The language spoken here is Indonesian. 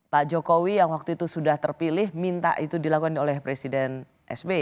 pak jokowi yang waktu itu sudah terpilih minta itu dilakukan oleh presiden sby